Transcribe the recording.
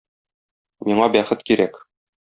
Миңа бәхет кирәк.